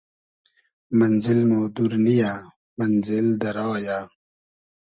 مئنزیل مۉ دور نییۂ مئنزیل دۂ را یۂ